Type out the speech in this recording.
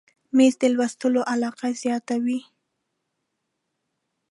مېز د لوستلو علاقه زیاته وي.